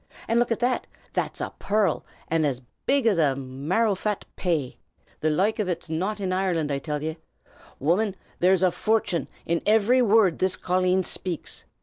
And look a' that! That's a pearrl, an' as big as a marrowfat pay. The loike of ut's not in Ireland, I till ye. Woman, there's a fortin' in ivery wurrd this colleen shpakes!